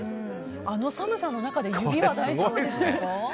あの寒さの中で指は大丈夫でしたか？